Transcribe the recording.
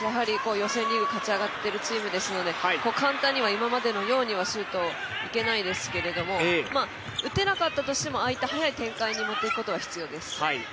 予選リーグ、勝ち上がっている選手ですので簡単に今までのようにはシュート、いけないですけど打てなかったとしても速い展開に持っていくことは必要です。